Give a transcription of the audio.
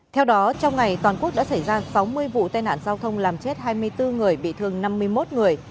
theo đó trong ngày toàn quốc đã xảy ra sáu mươi vụ tai nạn giao thông làm chết hai mươi bốn người bị thương năm mươi một người